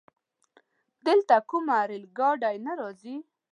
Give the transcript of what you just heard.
دلته کومه رايل ګاډی نه راځي؟